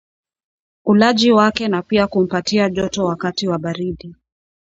ulaji wake na pia kumpatia joto wakati wa baridi